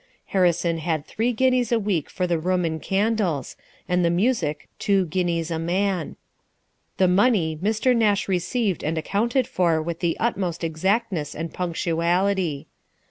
Harrison had three guineas a week for the room and candles, and the music two guineas a man. The money Mr. Nash received and accounted for with the utmost exactness and punctuality.